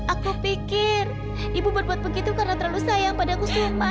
aku pikir ibu berbuat begitu karena terlalu sayang padaku siapa